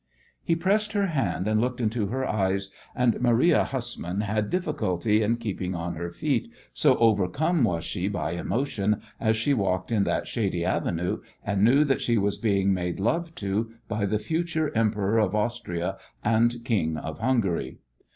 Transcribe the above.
He pressed her hand and looked into her eyes, and Maria Hussmann had difficulty in keeping on her feet, so overcome was she by emotion as she walked in that shady avenue and knew that she was being made love to by the future Emperor of Austria and King of Hungary.